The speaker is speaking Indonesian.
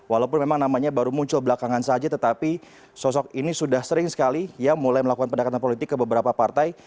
walaupun memang namanya baru muncul belakangan saja tetapi sosok ini sudah sering sekali ya mulai melakukan pendekatan politik ke beberapa partai